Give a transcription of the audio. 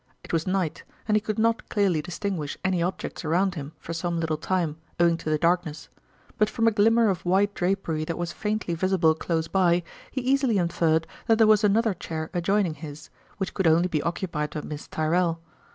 It was night, and he could not clearly distinguish any objects around him for some little time, owing to the darkness ; but from a glimmer of white drapery that was faintly visible close by, he easily inferred that there was another chair adjoining his, which could only be occupied by Miss Tyrrell.